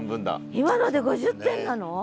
今ので５０点なの！？